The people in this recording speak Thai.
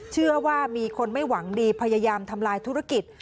เชื่อว่ามีคนไม่หวังดีพยายามทำลายธุรกิจ